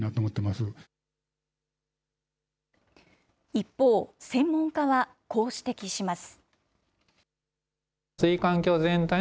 一方、専門家はこう指摘します。